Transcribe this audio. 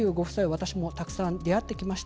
私もたくさん出会ってきました。